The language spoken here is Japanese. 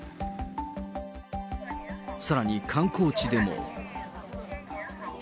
さらに観光地でも。